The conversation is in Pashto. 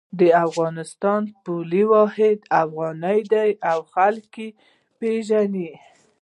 د افغانستان پولي واحد افغانۍ ده او خلک یی پیژني